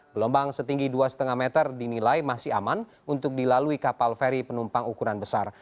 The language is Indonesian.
gelombang setinggi dua lima meter dinilai masih aman untuk dilalui kapal feri penumpang ukuran besar